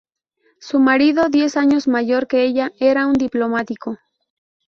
Su marido, diez años mayor que ella, era un diplomático.